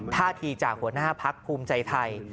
ท่าทีจากหัวหน้าพักภูมิใจไทย